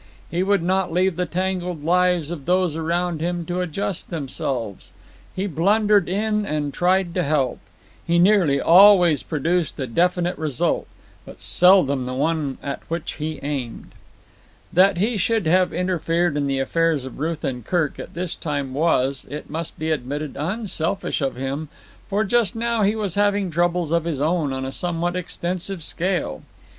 He would not leave the tangled lives of those around him to adjust themselves. He blundered in and tried to help. He nearly always produced a definite result, but seldom the one at which he aimed. That he should have interfered in the affairs of Ruth and Kirk at this time was, it must be admitted, unselfish of him, for just now he was having troubles of his own on a somewhat extensive scale.